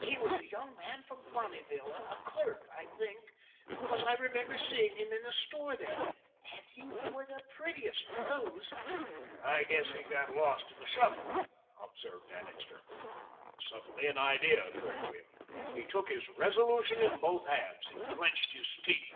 He was a young man from Bonneville a clerk, I think, because I remember seeing him in a store there, and he wore the prettiest clothes!" "I guess he got lost in the shuffle," observed Annixter. Suddenly an idea occurred to him. He took his resolution in both hands. He clenched his teeth.